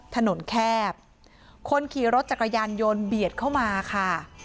แคบคนขี่รถจักรยานยนต์เบียดเข้ามาค่ะ